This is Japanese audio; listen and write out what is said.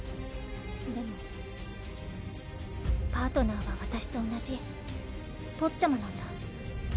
でもパートナーは私と同じポッチャマなんだ。